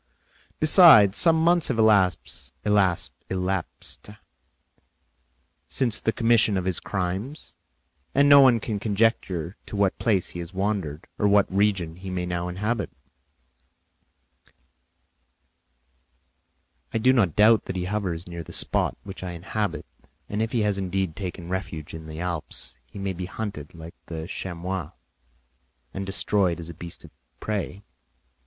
Besides, some months have elapsed since the commission of his crimes, and no one can conjecture to what place he has wandered or what region he may now inhabit." "I do not doubt that he hovers near the spot which I inhabit, and if he has indeed taken refuge in the Alps, he may be hunted like the chamois and destroyed as a beast of prey.